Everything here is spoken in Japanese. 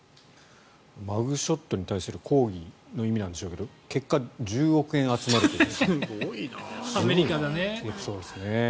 マグショットに対する抗議の意味なんでしょうけど結果、１０億円集めるという。